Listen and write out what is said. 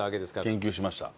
研究しました。